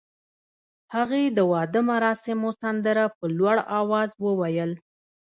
هغې د واده مراسمو سندره په لوړ اواز وویل.